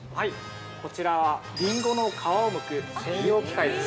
◆こちらは、リンゴの皮をむく専用機械です。